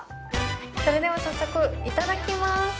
それでは早速いただきます。